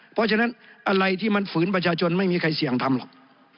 เพราะฉะนั้นอะไรที่มันฝืนประชาชนไม่มีใครเสี่ยงทำหรอก